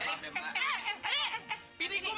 anggur gini buah